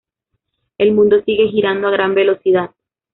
El mundo sigue girando a gran velocidad.